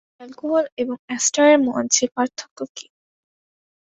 Alcohol এবং এস্টারের মাঝে পার্থক্য কী?